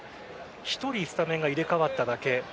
１人スタメンが入れ替わっただけ。